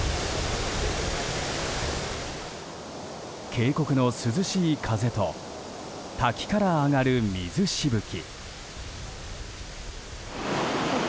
渓谷の涼しい風と滝から上がる水しぶき。